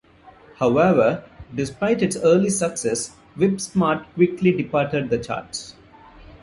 However, despite its early success, "Whip-Smart" quickly departed the charts.